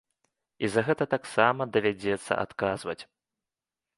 І за гэта таксама давядзецца адказваць.